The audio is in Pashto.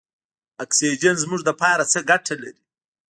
اکسیجن زموږ لپاره څه ګټه لري.